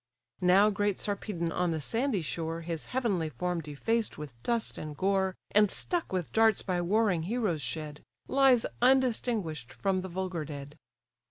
Now great Sarpedon on the sandy shore, His heavenly form defaced with dust and gore, And stuck with darts by warring heroes shed, Lies undistinguish'd from the vulgar dead.